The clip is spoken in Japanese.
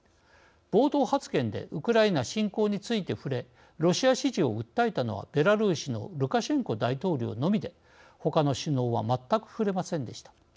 冒頭発言でウクライナ侵攻について触れロシア支持を訴えたのはベラルーシのルカシェンコ大統領のみでほかの首脳は全く触れませんでした。